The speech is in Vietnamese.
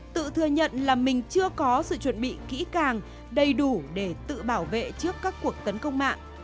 tự thừa nhận là mình chưa có sự chuẩn bị kỹ càng đầy đủ để tự bảo vệ trước các cuộc tấn công mạng